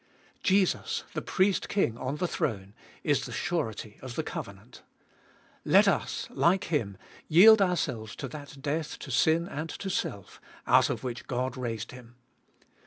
Jesus, the Priest King on the throne, is the surety of the covenant. Let us, like Him, yield ourselves to that death to sin and to self, out of which God raised Him.